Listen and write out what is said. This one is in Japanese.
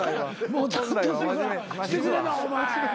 もうちゃんとしてくれなお前。